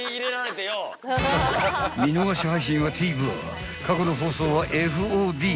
［見逃し配信はＴＶｅｒ過去の放送はＦＯＤで］